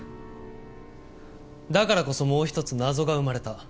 だからこそもう一つ謎が生まれた。